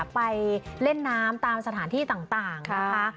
ไปเล่นน้ำตามสถานที่ต่างนะคะ